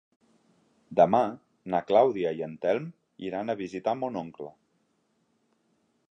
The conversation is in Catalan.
Demà na Clàudia i en Telm iran a visitar mon oncle.